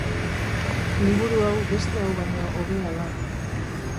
Liburu hau beste hau baino hobea da.